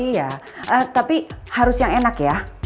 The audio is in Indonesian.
iya tapi harus yang enak ya